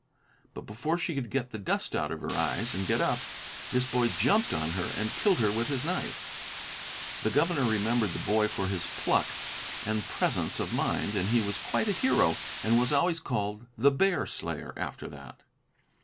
But before she could get the dust out of her eyes and get up, this boy jumped on her and killed her with his knife. The governor remembered the boy for his pluck and presence of mind and he was quite a hero and was always called "The Bear Slayer" after that.